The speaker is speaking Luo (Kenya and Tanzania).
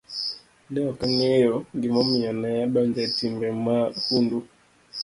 Ne ok ang'eyo gimomiyo ne adonjo e timbe mahundu.